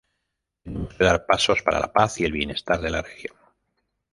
Tenemos que dar pasos para la paz y el bienestar de la región.